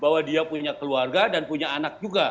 bahwa dia punya keluarga dan punya anak juga